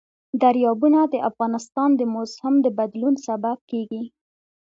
دریابونه د افغانستان د موسم د بدلون سبب کېږي.